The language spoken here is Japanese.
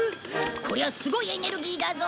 こりゃすごいエネルギーだぞ！